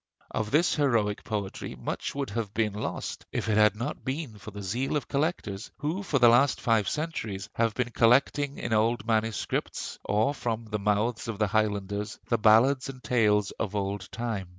Of this heroic poetry much would have been lost if it had not been for the zeal of collectors, who for the last five centuries have been collecting in old MSS. or from the mouths of the Highlanders the ballads and tales of old time.